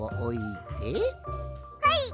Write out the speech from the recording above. はい！